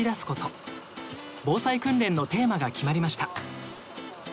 防災訓練のテーマが決まりました。